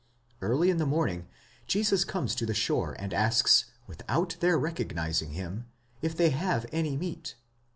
Early in the morning, Jesus comes to the shore, and asks, without their recognising him, if they have any meat?